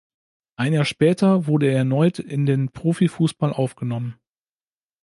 Ein Jahr später wurde er erneut in den Profifußball aufgenommen.